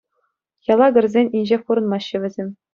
Яла кӗрсен инҫех пурӑнмаҫҫӗ вӗсем.